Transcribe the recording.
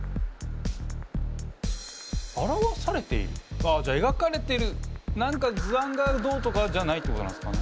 あっじゃあ描かれてる何か図案がどうとかじゃないってことなんですかね。